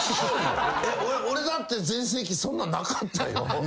俺だって全盛期そんななかったよ。